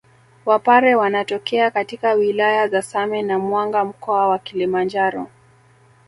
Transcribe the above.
Wapare wanatokea katika wilaya za Same na Mwanga mkoa wa Kilimanjaro